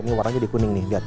ini warnanya jadi kuning nih